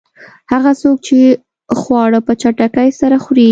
هغه څوک چې خواړه په چټکۍ سره خوري.